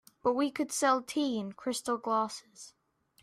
But we could sell tea in crystal glasses.